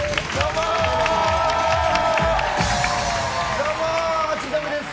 どうも千鳥です。